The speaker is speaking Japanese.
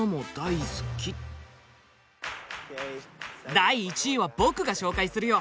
第１位は僕が紹介するよ。